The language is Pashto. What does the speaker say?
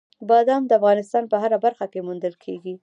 بادام د افغانستان په هره برخه کې موندل کېږي.